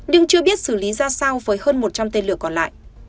nhưng chưa biết xử lý ra sao với hơn một trăm linh tên lửa còn lại